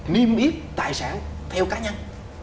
niêm yếp tài sản theo cá nhân